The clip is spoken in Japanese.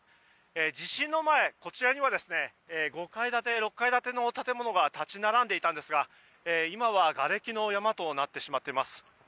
地震の前、こちらには５階建て、６階建ての建物が立ち並んでいたんですが今は、がれきの山となってしまっています。